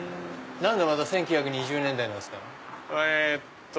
何でまた１９２０年代なんですか？